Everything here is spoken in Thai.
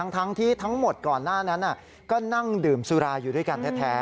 ทั้งที่ทั้งหมดก่อนหน้านั้นก็นั่งดื่มสุราอยู่ด้วยกันแท้